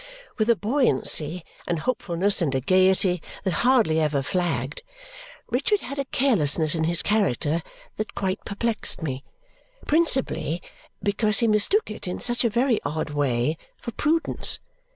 With a buoyancy and hopefulness and a gaiety that hardly ever flagged, Richard had a carelessness in his character that quite perplexed me, principally because he mistook it, in such a very odd way, for prudence.